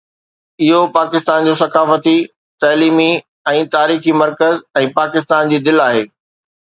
اهو پاڪستان جو ثقافتي، تعليمي ۽ تاريخي مرڪز ۽ پاڪستان جي دل آهي